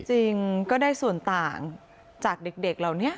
จริงก็ได้ส่วนต่างจากเด็กเหล่านี้